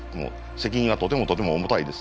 責任はとてもとても重たいです。